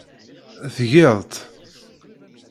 Tgiḍ-t.